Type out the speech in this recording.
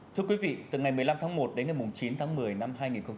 thưa quý vị từ ngày một mươi năm tháng một đến ngày chín tháng một mươi năm hai nghìn hai mươi